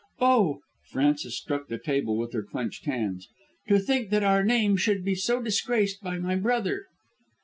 Oh," Frances struck the table with her clenched hands, "to think that our name should be so disgraced by my brother!"